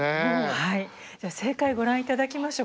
はいでは正解ご覧頂きましょう。